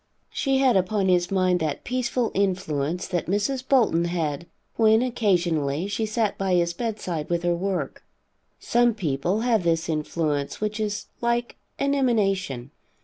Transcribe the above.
She had upon his mind that peaceful influence that Mrs. Bolton had when, occasionally, she sat by his bedside with her work. Some people have this influence, which is like an emanation.